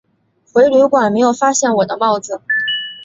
回旅馆没有发现我的帽子